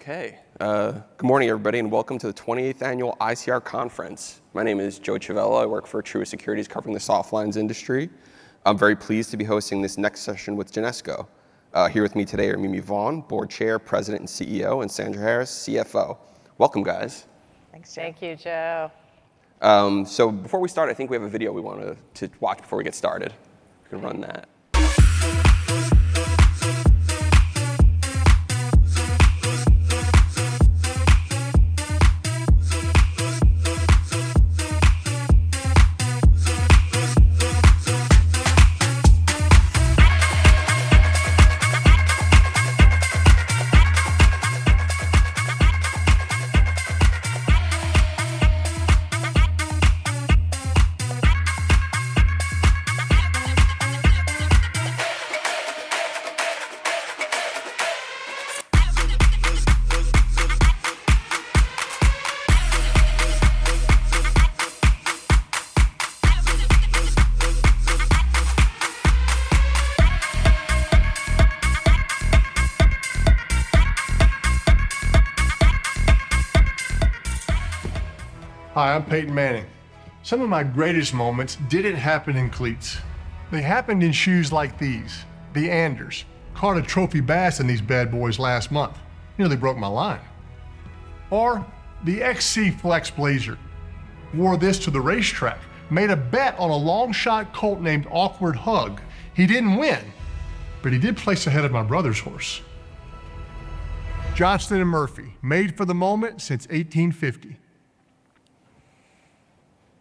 Okay. Good morning, everybody, and welcome to the 28th Annual ICR Conference. My name is Joe Civello. I work for Truist Securities, covering the softlines industry. I'm very pleased to be hosting this next session with Genesco. Here with me today are Mimi Vaughn, Board Chair, President and CEO, and Sandra Harris, CFO. Welcome, guys. Thanks, Joe. Thank you, Joe. So before we start, I think we have a video we want to watch before we get started. We can run that. Hi, I'm Peyton Manning. Some of my greatest moments didn't happen in cleats. They happened in shoes like these, the Anders. Caught a trophy bass in these bad boys last month. Nearly broke my line. Or the XC Flex Blazer. Wore this to the racetrack. Made a bet on a long shot colt named Awkward Hug. He didn't win, but he did place ahead of my brother's horse. Johnston & Murphy, made for the moment since 1850.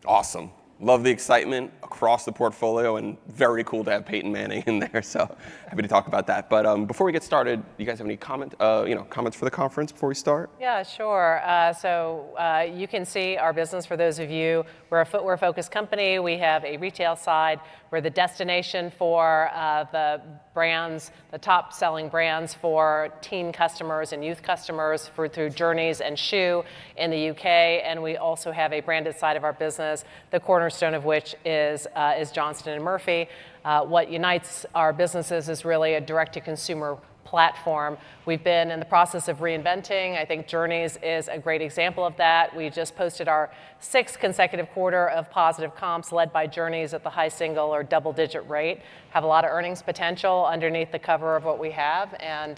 Awesome. Love the excitement across the portfolio, and very cool to have Peyton Manning in there. So happy to talk about that. But before we get started, do you guys have any comments for the conference before we start? Yeah, sure. So you can see our business, for those of you. We're a footwear-focused company. We have a retail side. We're the destination for the brands, the top-selling brands for teen customers and youth customers through Journeys and Schuh in the U.K. And we also have a branded side of our business, the cornerstone of which is Johnston & Murphy. What unites our businesses is really a direct-to-consumer platform. We've been in the process of reinventing. I think Journeys is a great example of that. We just posted our sixth consecutive quarter of positive comps led by Journeys at the high single- or double-digit rate. Have a lot of earnings potential underneath the cover of what we have, and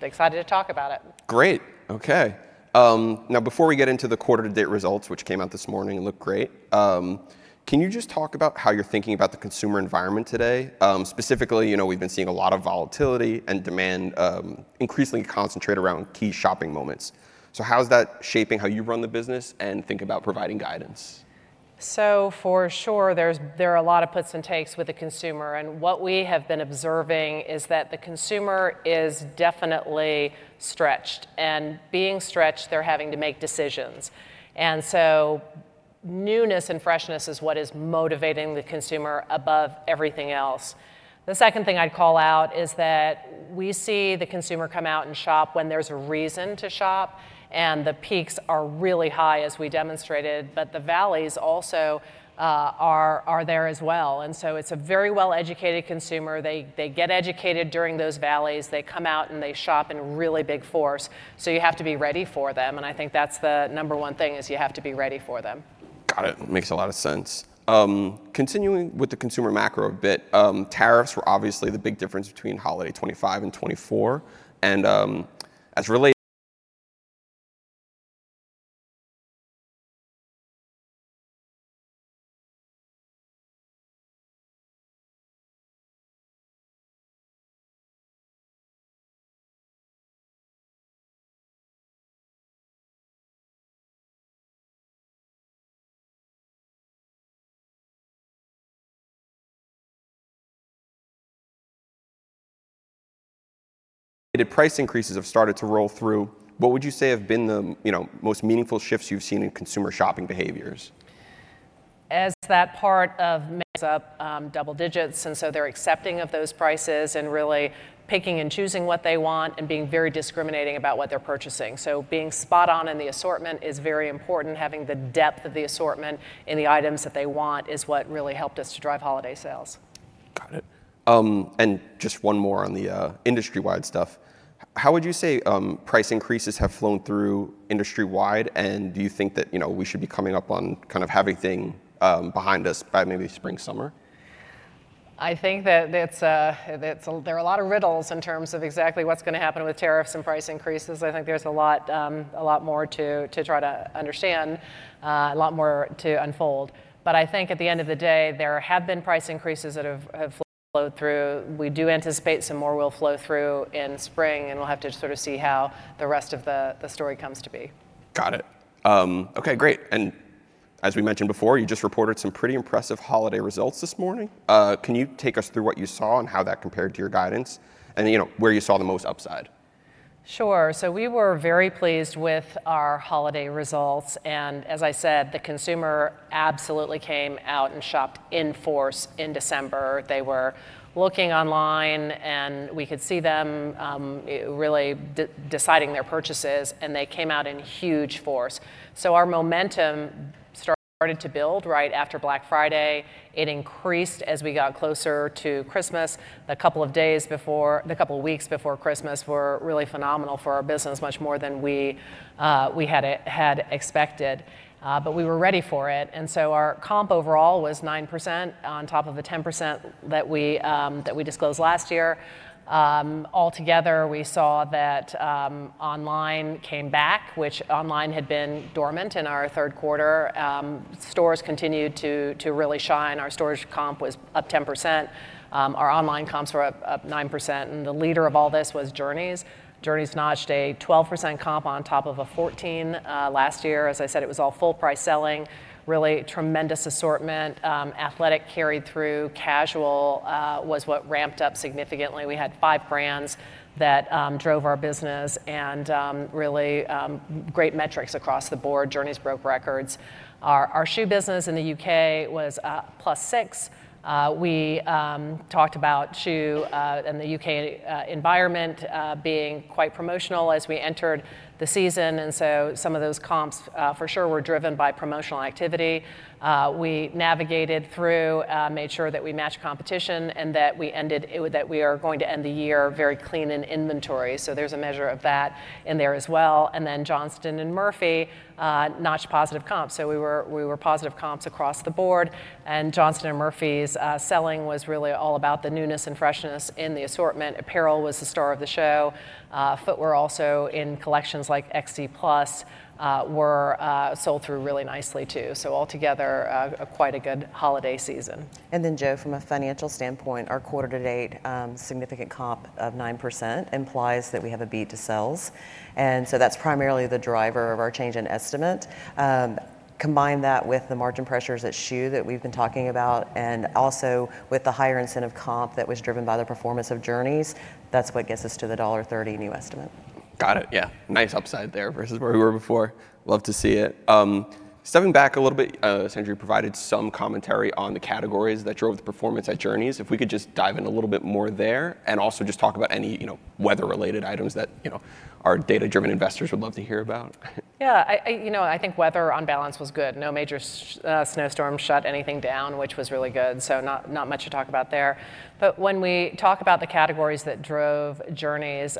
excited to talk about it. Great. Okay. Now, before we get into the quarter-to-date results, which came out this morning and look great, can you just talk about how you're thinking about the consumer environment today? Specifically, we've been seeing a lot of volatility and demand increasingly concentrate around key shopping moments. So how is that shaping how you run the business and think about providing guidance? So for sure, there are a lot of puts and takes with the consumer. And what we have been observing is that the consumer is definitely stretched. And being stretched, they're having to make decisions. And so newness and freshness is what is motivating the consumer above everything else. The second thing I'd call out is that we see the consumer come out and shop when there's a reason to shop. And the peaks are really high, as we demonstrated. But the valleys also are there as well. And so it's a very well-educated consumer. They get educated during those valleys. They come out and they shop in really big force. So you have to be ready for them. And I think that's the number one thing, is you have to be ready for them. Got it. Makes a lot of sense. Continuing with the consumer macro a bit, tariffs were obviously the big difference between holiday 2025 and 2024. And as price increases have started to roll through. What would you say have been the most meaningful shifts you've seen in consumer shopping behaviors? Up double digits, and so they're accepting of those prices and really picking and choosing what they want and being very discriminating about what they're purchasing, so being spot on in the assortment is very important. Having the depth of the assortment in the items that they want is what really helped us to drive holiday sales. Got it. And just one more on the industry-wide stuff. How would you say price increases have flowed through industry-wide? And do you think that we should be coming up on kind of having things behind us by maybe spring, summer? I think that there are a lot of riddles in terms of exactly what's going to happen with tariffs and price increases. I think there's a lot more to try to understand, a lot more to unfold, but I think at the end of the day, there have been price increases that have flowed through. We do anticipate some more will flow through in spring, and we'll have to sort of see how the rest of the story comes to be. Got it. Okay, great. And as we mentioned before, you just reported some pretty impressive holiday results this morning. Can you take us through what you saw and how that compared to your guidance and where you saw the most upside? Sure, so we were very pleased with our holiday results, and as I said, the consumer absolutely came out and shopped in force in December. They were looking online, and we could see them really deciding their purchases, and they came out in huge force, so our momentum started to build right after Black Friday. It increased as we got closer to Christmas. The couple of days before, the couple of weeks before Christmas were really phenomenal for our business, much more than we had expected, but we were ready for it, and so our comp overall was 9% on top of the 10% that we disclosed last year. Altogether, we saw that online came back, which online had been dormant in our third quarter. Stores continued to really shine. Our stores comp was up 10%. Our online comps were up 9%, and the leader of all this was Journeys. Journeys notched a 12% comp on top of a 14% last year. As I said, it was all full-price selling, really tremendous assortment. Athletic carried through. Casual was what ramped up significantly. We had five brands that drove our business and really great metrics across the board. Journeys broke records. Our Schuh business in the U.K. was +6%. We talked about Schuh in the U.K. environment being quite promotional as we entered the season. And so some of those comps for sure were driven by promotional activity. We navigated through, made sure that we matched competition, and that we ended, that we are going to end the year very clean in inventory. So there's a measure of that in there as well. And then Johnston & Murphy notched positive comps. So we were positive comps across the board. Johnston & Murphy's selling was really all about the newness and freshness in the assortment. Apparel was the star of the show. Footwear also in collections like XC Flex were sold through really nicely, too. Altogether, quite a good holiday season. And then, Joe, from a financial standpoint, our quarter-to-date significant comp of 9% implies that we have a beat to sales. And so that's primarily the driver of our change in estimate. Combine that with the margin pressures at Schuh that we've been talking about, and also with the higher incentive comp that was driven by the performance of Journeys, that's what gets us to the $1.30 new estimate. Got it. Yeah. Nice upside there versus where we were before. Love to see it. Stepping back a little bit, Sandra provided some commentary on the categories that drove the performance at Journeys. If we could just dive in a little bit more there and also just talk about any weather-related items that our data-driven investors would love to hear about. Yeah. I think weather on balance was good. No major snowstorm shut anything down, which was really good. So not much to talk about there. But when we talk about the categories that drove Journeys,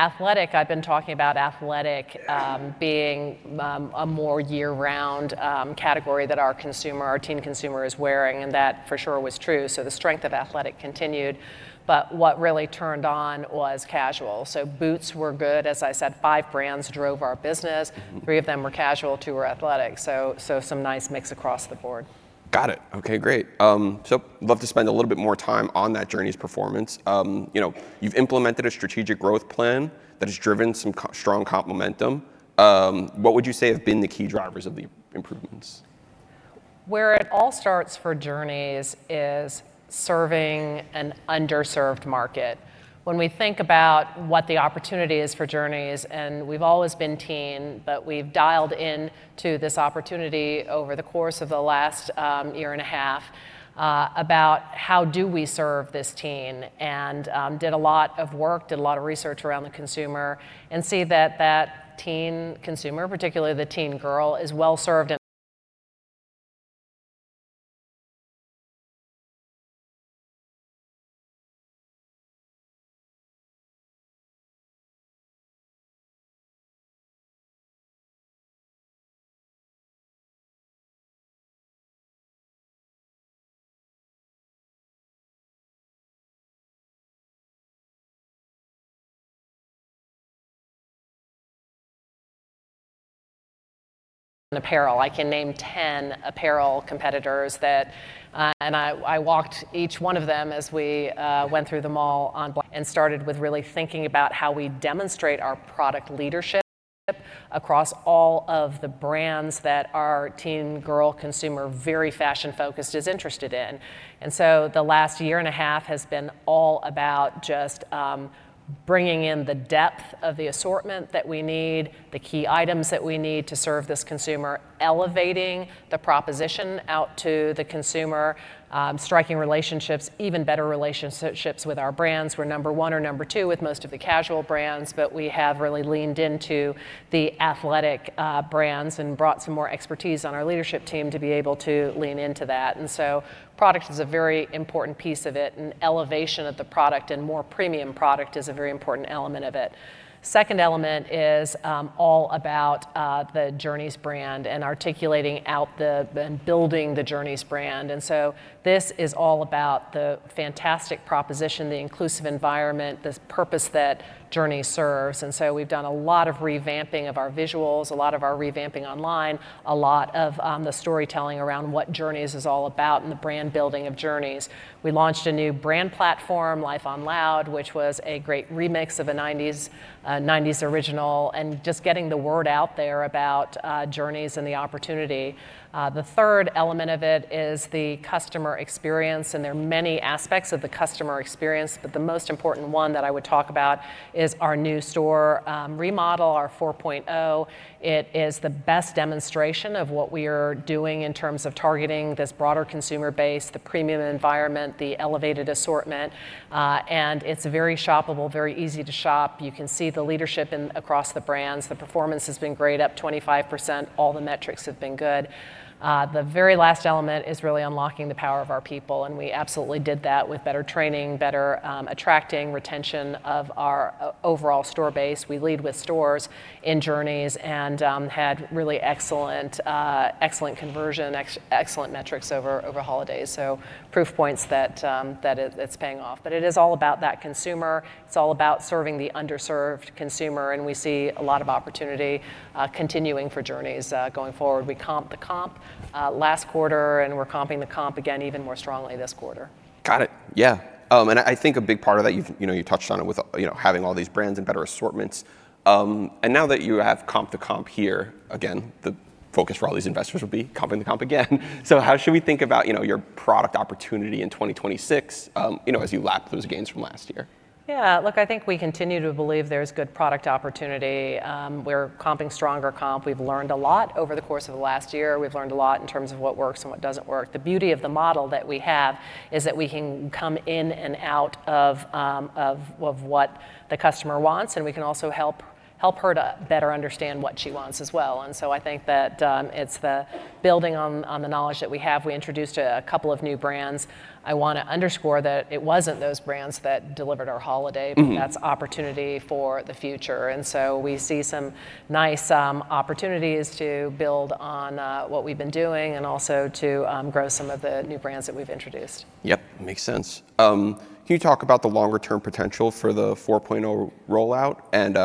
athletic, I've been talking about athletic being a more year-round category that our consumer, our teen consumer, is wearing. And that for sure was true. So the strength of athletic continued. But what really turned on was casual. So boots were good. As I said, five brands drove our business. Three of them were casual. Two were athletic. So some nice mix across the board. Got it. Okay, great. So love to spend a little bit more time on that Journeys performance. You've implemented a strategic growth plan that has driven some strong comp momentum. What would you say have been the key drivers of the improvements? Where it all starts for Journeys is serving an underserved market. When we think about what the opportunity is for Journeys, and we've always been teen, but we've dialed into this opportunity over the course of the last year and a half about how do we serve this teen, and did a lot of work, did a lot of research around the consumer, and see that that teen consumer, particularly the teen girl, is well served. Apparel. I can name 10 apparel competitors that, and I walked each one of them as we went through the mall on, and started with really thinking about how we demonstrate our product leadership across all of the brands that our teen girl consumer, very fashion-focused, is interested in. And so the last year and a half has been all about just bringing in the depth of the assortment that we need, the key items that we need to serve this consumer, elevating the proposition out to the consumer, striking relationships, even better relationships with our brands. We're number one or number two with most of the casual brands. But we have really leaned into the athletic brands and brought some more expertise on our leadership team to be able to lean into that. And so product is a very important piece of it. And elevation of the product and more premium product is a very important element of it. Second element is all about the Journeys brand and articulating out and building the Journeys brand. And so this is all about the fantastic proposition, the inclusive environment, the purpose that Journeys serves. And so we've done a lot of revamping of our visuals, a lot of our revamping online, a lot of the storytelling around what Journeys is all about and the brand building of Journeys. We launched a new brand platform, Life On Loud, which was a great remix of a '90s original and just getting the word out there about Journeys and the opportunity. The third element of it is the customer experience. And there are many aspects of the customer experience. But the most important one that I would talk about is our new store remodel, our 4.0. It is the best demonstration of what we are doing in terms of targeting this broader consumer base, the premium environment, the elevated assortment. And it's very shoppable, very easy to shop. You can see the leadership across the brands. The performance has been great, up 25%. All the metrics have been good. The very last element is really unlocking the power of our people. And we absolutely did that with better training, better attracting retention of our overall store base. We lead with stores in Journeys and had really excellent conversion, excellent metrics over holidays. So proof points that it's paying off. But it is all about that consumer. It's all about serving the underserved consumer. And we see a lot of opportunity continuing for Journeys going forward. We comped the comp last quarter, and we're comping the comp again even more strongly this quarter. Got it. Yeah. And I think a big part of that, you touched on it with having all these brands and better assortments. And now that you have comped the comp here, again, the focus for all these investors will be comping the comp again. So how should we think about your product opportunity in 2026 as you lap those gains from last year? Yeah. Look, I think we continue to believe there's good product opportunity. We're comping stronger comp. We've learned a lot over the course of the last year. We've learned a lot in terms of what works and what doesn't work. The beauty of the model that we have is that we can come in and out of what the customer wants. And we can also help her to better understand what she wants as well. And so I think that it's the building on the knowledge that we have. We introduced a couple of new brands. I want to underscore that it wasn't those brands that delivered our holiday, but that's opportunity for the future. And so we see some nice opportunities to build on what we've been doing and also to grow some of the new brands that we've introduced. Yep. Makes sense. Can you talk about the longer-term potential for the 4.0 rollout and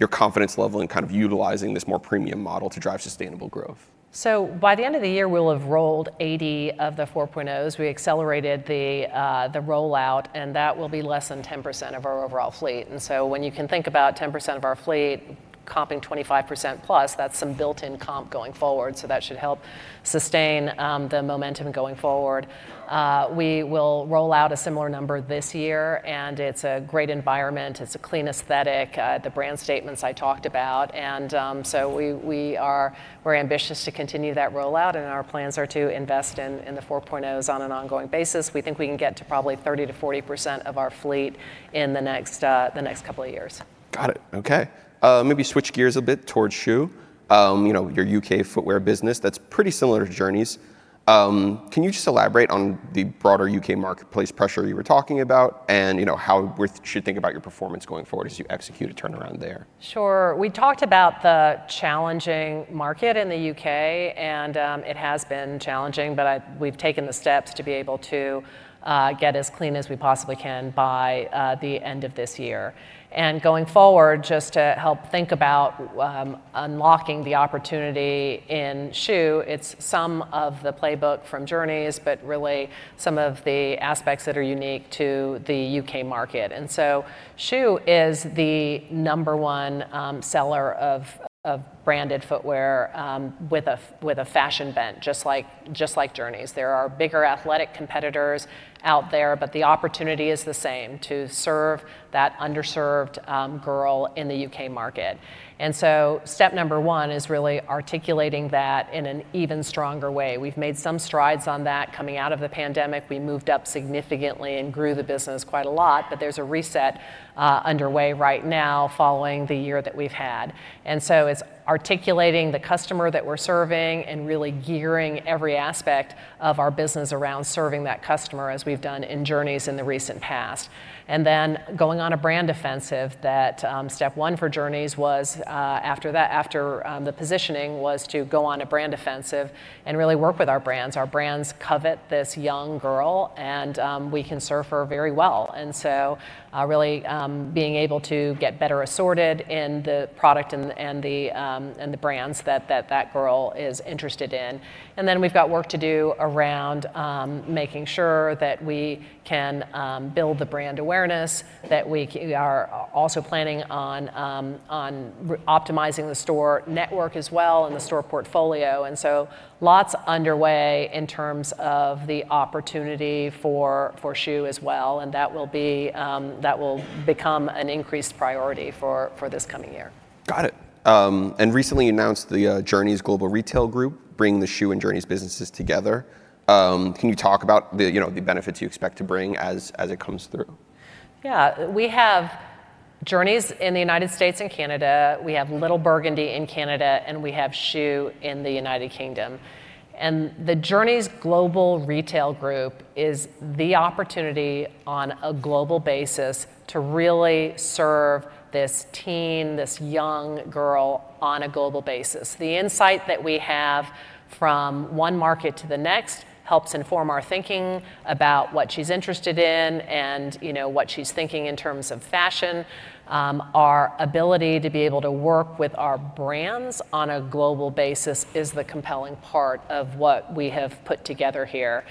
your confidence level in kind of utilizing this more premium model to drive sustainable growth? By the end of the year, we'll have rolled 80 of the 4.0s. We accelerated the rollout, and that will be less than 10% of our overall fleet. And so when you can think about 10% of our fleet comping 25%+, that's some built-in comp going forward. So that should help sustain the momentum going forward. We will roll out a similar number this year. And it's a great environment. It's a clean aesthetic, the brand statements I talked about. And so we are very ambitious to continue that rollout. And our plans are to invest in the 4.0s on an ongoing basis. We think we can get to probably 30%-40% of our fleet in the next couple of years. Got it. Okay. Maybe switch gears a bit towards Schuh, your U.K. footwear business that's pretty similar to Journeys. Can you just elaborate on the broader U.K. marketplace pressure you were talking about and how we should think about your performance going forward as you execute a turnaround there? Sure. We talked about the challenging market in the U.K., and it has been challenging, but we've taken the steps to be able to get as clean as we possibly can by the end of this year, and going forward, just to help think about unlocking the opportunity in Schuh, it's some of the playbook from Journeys, but really some of the aspects that are unique to the U.K. market, and so Schuh is the number one seller of branded footwear with a fashion bent, just like Journeys. There are bigger athletic competitors out there, but the opportunity is the same to serve that underserved girl in the U.K. market, and so step number one is really articulating that in an even stronger way. We've made some strides on that coming out of the pandemic. We moved up significantly and grew the business quite a lot. But there's a reset underway right now following the year that we've had. And so it's articulating the customer that we're serving and really gearing every aspect of our business around serving that customer as we've done in Journeys in the recent past. And then going on a brand offensive, that step one for Journeys was after that, after the positioning was to go on a brand offensive and really work with our brands. Our brands covet this young girl. And we can serve her very well. And so really being able to get better assorted in the product and the brands that that girl is interested in. And then we've got work to do around making sure that we can build the brand awareness, that we are also planning on optimizing the store network as well and the store portfolio. And so lots underway in terms of the opportunity for Schuh as well. And that will become an increased priority for this coming year. Got it. And recently announced the Journeys Global Retail Group bringing the Schuh and Journeys businesses together. Can you talk about the benefits you expect to bring as it comes through? Yeah. We have Journeys in the United States and Canada. We have Little Burgundy in Canada. And we have Schuh in the United Kingdom. And the Journeys Global Retail Group is the opportunity on a global basis to really serve this teen, this young girl on a global basis. The insight that we have from one market to the next helps inform our thinking about what she's interested in and what she's thinking in terms of fashion. Our ability to be able to work with our brands on a global basis is the compelling part of what we have put together here.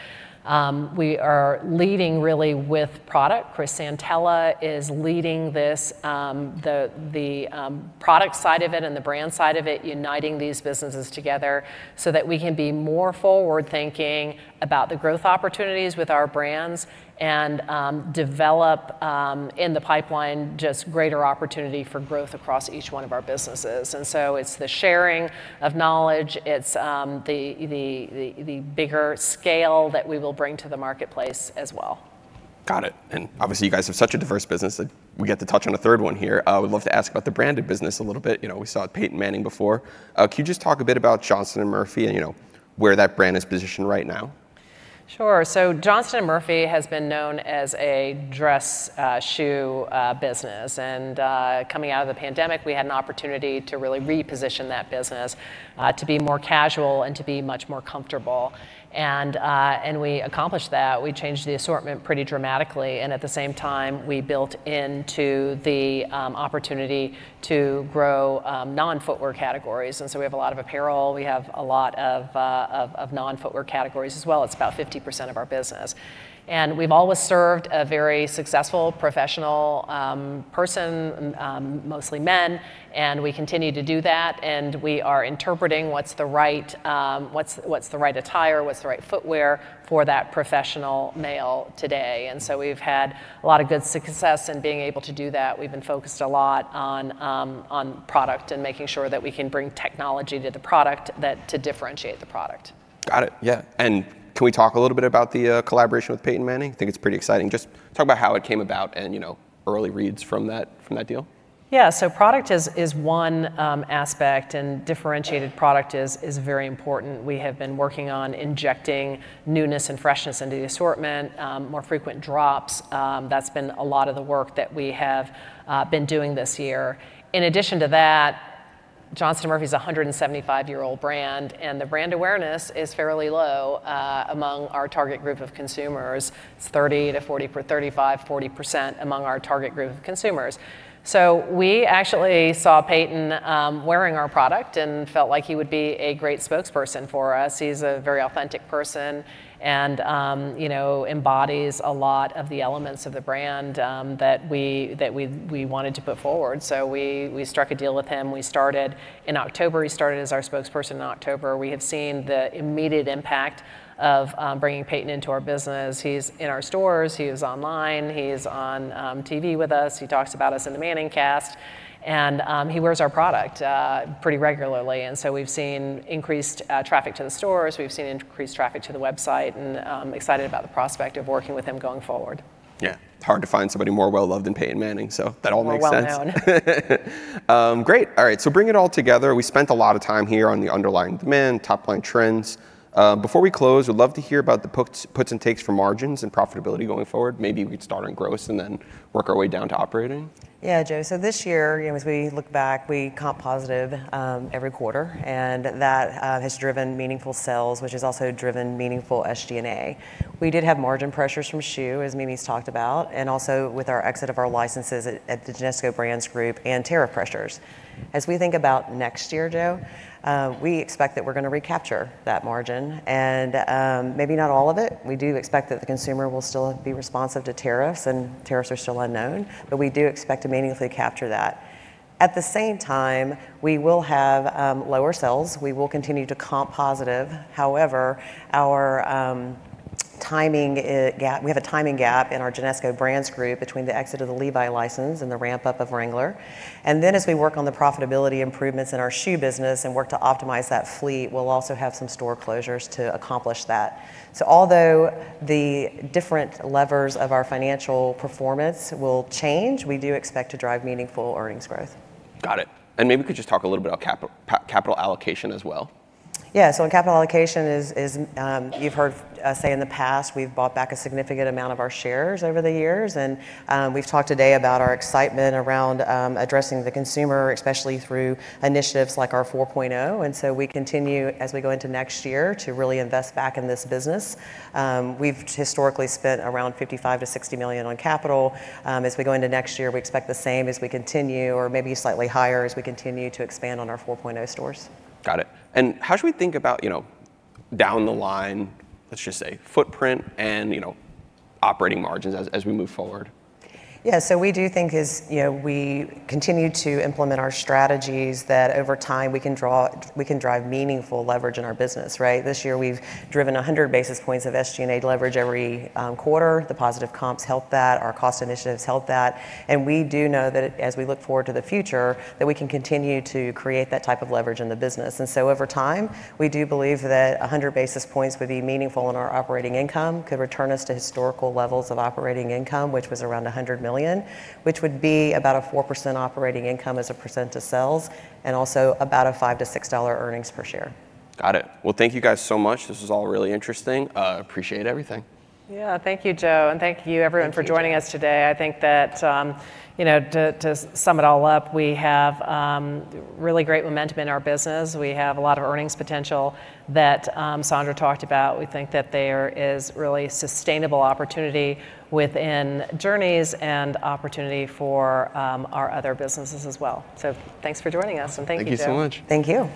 We are leading really with product. Chris Santaella is leading this, the product side of it and the brand side of it, uniting these businesses together so that we can be more forward-thinking about the growth opportunities with our brands and develop in the pipeline just greater opportunity for growth across each one of our businesses. And so it's the sharing of knowledge. It's the bigger scale that we will bring to the marketplace as well. Got it. And obviously, you guys have such a diverse business that we get to touch on a third one here. I would love to ask about the branded business a little bit. We saw Peyton Manning before. Can you just talk a bit about Johnston & Murphy and where that brand is positioned right now? Sure. Johnston & Murphy has been known as a dress shoe business. Coming out of the pandemic, we had an opportunity to really reposition that business to be more casual and to be much more comfortable. We accomplished that. We changed the assortment pretty dramatically. At the same time, we built into the opportunity to grow non-footwear categories. We have a lot of apparel. We have a lot of non-footwear categories as well. It's about 50% of our business. We've always served a very successful professional person, mostly men. We continue to do that. We are interpreting what's the right attire, what's the right footwear for that professional male today. We've had a lot of good success in being able to do that. We've been focused a lot on product and making sure that we can bring technology to the product to differentiate the product. Got it. Yeah, and can we talk a little bit about the collaboration with Peyton Manning? I think it's pretty exciting. Just talk about how it came about and early reads from that deal. Yeah. So, product is one aspect. And differentiated product is very important. We have been working on injecting newness and freshness into the assortment, more frequent drops. That's been a lot of the work that we have been doing this year. In addition to that, Johnston & Murphy is a 175-year-old brand. And the brand awareness is fairly low among our target group of consumers. It's 30%-35%, 40% among our target group of consumers. So we actually saw Peyton wearing our product and felt like he would be a great spokesperson for us. He's a very authentic person and embodies a lot of the elements of the brand that we wanted to put forward. So we struck a deal with him. We started in October. He started as our spokesperson in October. We have seen the immediate impact of bringing Peyton into our business. He's in our stores. He is online. He is on TV with us. He talks about us in the ManningCast. And he wears our product pretty regularly. And so we've seen increased traffic to the stores. We've seen increased traffic to the website. And I'm excited about the prospect of working with him going forward. Yeah. Hard to find somebody more well-loved than Peyton Manning. So that all makes sense. Well-known. Great. All right. So bringing it all together, we spent a lot of time here on the underlying demand, top-line trends. Before we close, we'd love to hear about the puts and takes for margins and profitability going forward. Maybe we'd start on gross and then work our way down to operating. Yeah, Joe. So this year, as we look back, we comp positive every quarter. And that has driven meaningful sales, which has also driven meaningful SG&A. We did have margin pressures from Schuh, as Mimi's talked about, and also with our exit of our licenses at the Genesco Brands Group and tariff pressures. As we think about next year, Joe, we expect that we're going to recapture that margin. And maybe not all of it. We do expect that the consumer will still be responsive to tariffs. And tariffs are still unknown. But we do expect to meaningfully capture that. At the same time, we will have lower sales. We will continue to comp positive. However, we have a timing gap in our Genesco Brands Group between the exit of the Levi's license and the ramp-up of Wrangler. And then as we work on the profitability improvements in our Schuh business and work to optimize that fleet, we'll also have some store closures to accomplish that. So although the different levers of our financial performance will change, we do expect to drive meaningful earnings growth. Got it. And maybe we could just talk a little bit about capital allocation as well. Yeah. So on capital allocation, you've heard us say in the past, we've bought back a significant amount of our shares over the years. And we've talked today about our excitement around addressing the consumer, especially through initiatives like our 4.0. And so we continue, as we go into next year, to really invest back in this business. We've historically spent around $55 million-$60 million on capital. As we go into next year, we expect the same as we continue or maybe slightly higher as we continue to expand on our 4.0 stores. Got it. And how should we think about down the line, let's just say, footprint and operating margins as we move forward? Yeah. So we do think as we continue to implement our strategies that over time, we can drive meaningful leverage in our business. Right? This year, we've driven 100 basis points of SG&A leverage every quarter. The positive comps helped that. Our cost initiatives helped that. And we do know that as we look forward to the future, that we can continue to create that type of leverage in the business. And so over time, we do believe that 100 basis points would be meaningful in our operating income, could return us to historical levels of operating income, which was around $100 million, which would be about a 4% operating income as a percent of sales and also about a $5-$6 earnings per share. Got it. Well, thank you guys so much. This was all really interesting. Appreciate everything. Yeah. Thank you, Joe. And thank you, everyone, for joining us today. I think that to sum it all up, we have really great momentum in our business. We have a lot of earnings potential that Sandra talked about. We think that there is really sustainable opportunity within Journeys and opportunity for our other businesses as well. So thanks for joining us. And thank you, Joe. Thank you so much. Thank you.